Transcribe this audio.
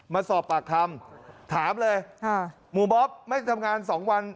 มาสอบปากคำถามเลยหมู่บ๊อบไม่ทำงาน๒วัน